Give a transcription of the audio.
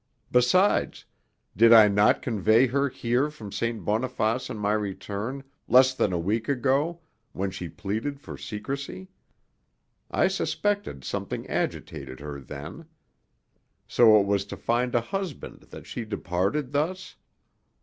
Besides, did I not convey her here from St. Boniface on my return, less than a week ago, when she pleaded for secrecy? I suspected something agitated her then. So it was to find a husband that she departed thus?